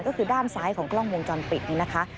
ก็คือด้านซ้ายของกล้องวงจรปิดนี่นะคะ